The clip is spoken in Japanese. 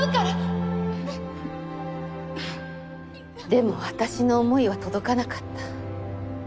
でも私の思いは届かなかった。